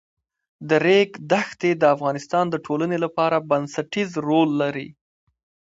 د ریګ دښتې د افغانستان د ټولنې لپاره بنسټيز رول لري.